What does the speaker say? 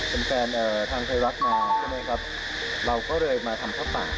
เป็นแฟนทางไทยรักมาเราก็เลยมาทำท่อปาก